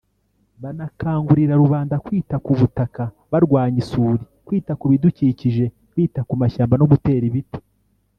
banakangurira rubanda kwita ku butaka barwanya isuli kwita ku bidukijije bita ku mashyamba no gutera ibiti